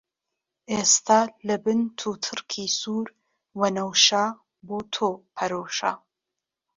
ئێستا لە بن «توتڕکی» سوور، وەنەوشە بۆ تۆ پەرۆشە!